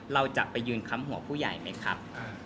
เราจะไปยืนค้ำหัวผู้ใหญ่ไหมครับ